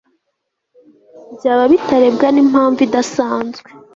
byaba bitarebwa n'impamvu idasanzwe